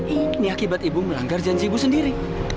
ini akibat ibu melanggar janji ibu sendiri